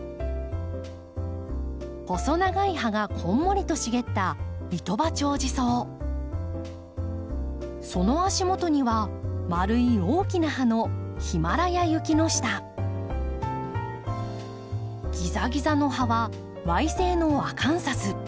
細長い葉がこんもりと茂ったその足元には円い大きな葉のギザギザの葉は矮性のアカンサス。